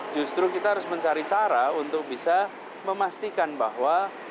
justru kita harus mencari cara untuk bisa memastikan bahwa